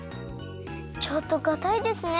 ちょっとかたいですね。